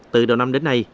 từ đầu năm đến nay